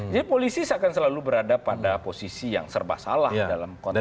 jadi polisi akan selalu berada pada posisi yang serba salah dalam konteks ini